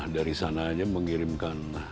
dari sana aja mengirimkan